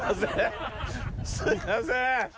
すいません。